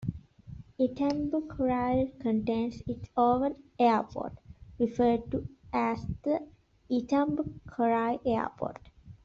Itambacuri contains its own airport, referred to as the 'Itambacuri airport'.